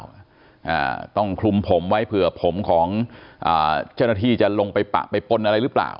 อ่าต้องคลุมผมไว้เผื่อผมของอ่าเจ้าหน้าที่จะลงไปปะไปปนอะไรหรือเปล่า